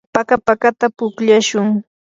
paka pakata pukllashun.